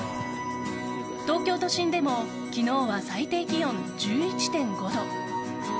東京都心でも昨日は最低気温１１．５度。